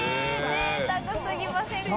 ぜいたくすぎませんか。